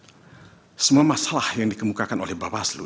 dan masalah itu akan lebih berkaitan dengan masalah yang dikenakan oleh bapak aslu